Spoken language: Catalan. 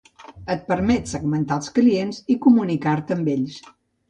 et permet segmentar els clients i comunicar-te amb ells